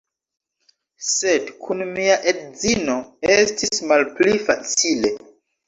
Sed kun mia edzino estis malpli facile.